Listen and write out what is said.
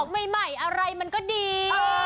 ใหม่อะไรมันก็ดี